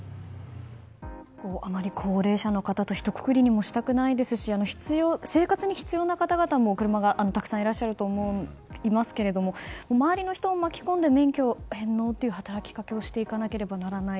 あまり高齢者の方とひとくくりにしたくないですし車が生活に必要な方々もたくさんいらっしゃると思いますが周りの人を巻き込んで免許返納という働きかけをしなければならない。